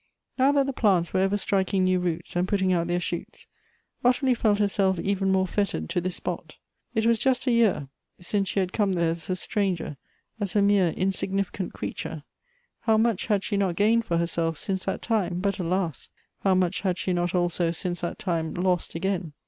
Now that the plants were ever striking new roots, and putting out their shoots, Ottilie felt herself even more fettered to this spot. It was just a year since she had come there as a stranger, as a mere insignificant creature. 238 Goethe's How much had she not gained for herself since that time! but, alas! how much had she not also since that time lost again